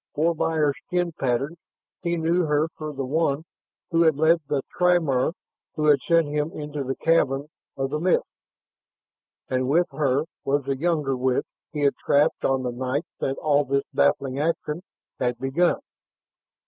For by her skin patterns he knew her for the one who had led that triumvir who had sent him into the cavern of the mist. And with her was the younger witch he had trapped on the night that all this baffling action had begun.